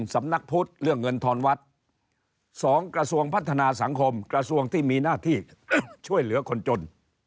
สำนักพุทธเรื่องเงินทอนวัด๒กระทรวงพัฒนาสังคมกระทรวงที่มีหน้าที่ช่วยเหลือคนจน